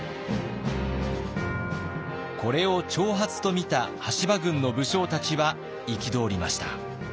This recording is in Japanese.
これを挑発と見た羽柴軍の武将たちは憤りました。